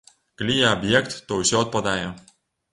Калі я аб'ект, то ўсё адпадае.